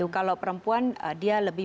kalau perempuan dia lebih